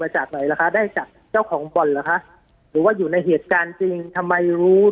ปากกับภาคภูมิ